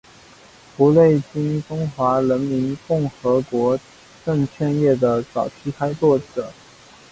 胡瑞荃中华人民共和国证券业的早期开拓者。